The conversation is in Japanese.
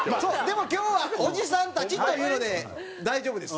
でも今日はおじさんたちというので大丈夫です。